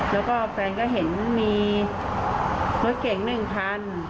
แล้วก็แฟนก็เห็นมีรถเก่ง๑คัน